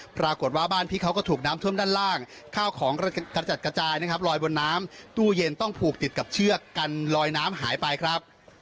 ปรากฏว่าบ้านพี่เขาก็ถูกน้ำท่วมด้านล่างข้าวของกระจัดกระจายนะครับลอยบนน้ำตู้เย็นต้องผูกติดกับเชือกกันลอยน้ำหายไปครับ